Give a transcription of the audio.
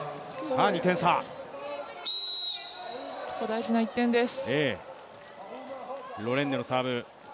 大事な１点です。